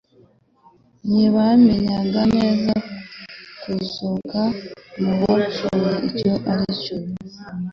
Ntibamenyaga neza kuzuka mu bapfuye icyo ari cyo